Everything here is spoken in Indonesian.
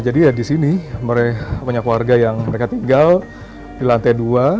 ya jadi ya di sini mereka banyak warga yang mereka tinggal di lantai dua